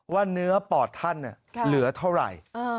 ว่าเนื้อปอดท่านเหลือเท่าไหร่